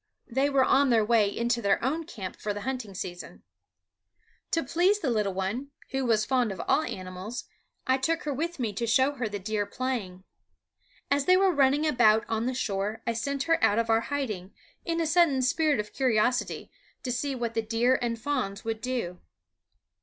They were on their way in to their own camp for the hunting season. To please the little one, who was fond of all animals, I took her with me to show her the deer playing. As they were running about on the shore I sent her out of our hiding, in a sudden spirit of curiosity, to see what the deer and fawns would do.